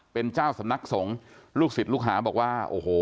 เป็นเจ้าสำนักสงฆ์ลูกศิษย์ลูกหาบอกว่าโอ้โห